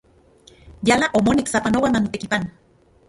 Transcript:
Yala omonek sapanoa manitekipano.